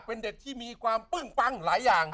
เป็นเด็กที่มีความปึ้งปังหลายอย่าง